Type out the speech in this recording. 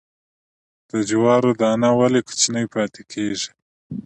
د جوارو دانه ولې کوچنۍ پاتې کیږي؟